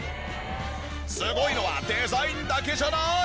すごいのはデザインだけじゃない！